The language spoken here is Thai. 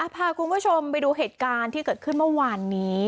พาคุณผู้ชมไปดูเหตุการณ์ที่เกิดขึ้นเมื่อวานนี้